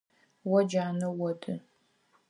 О джанэ оды.